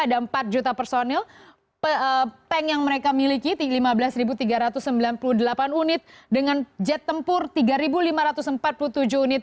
ada empat juta personil tank yang mereka miliki lima belas tiga ratus sembilan puluh delapan unit dengan jet tempur tiga lima ratus empat puluh tujuh unit